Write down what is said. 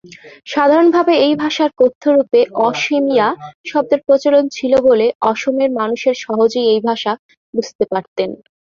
সাধারণভাবে এই ভাষার কথ্য রূপে অসমীয়া শব্দের প্রচলন ছিল বলে অসমের মানুষ সহজেই এই ভাষা বুঝতে পারতেন।